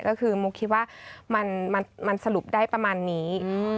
ก็คือมุกคิดว่ามันสรุปได้ประมาณนี้